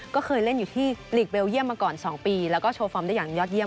ก็เคยเล่นอยู่ที่หลีกเบลเยี่ยมมาก่อน๒ปีแล้วก็โชว์ฟอร์มได้อย่างยอดเยี